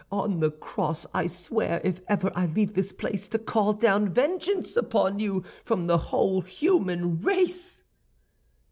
On the cross I swear, if I ever leave this place, to call down vengeance upon you from the whole human race!